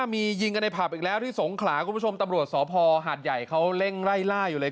มียิงกันในผับอีกแล้วที่สงขลาคุณผู้ชมตำรวจสพหาดใหญ่เขาเร่งไล่ล่าอยู่เลย